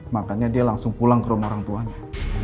makanya dia langsung pulang ke rumah orang tuanya